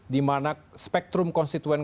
di mana spektrum konstituen